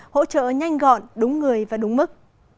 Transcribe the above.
hỗ trợ nhanh gọn đúng người và đúng mức